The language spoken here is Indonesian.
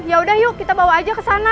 yaudah yuk kita bawa aja ke sana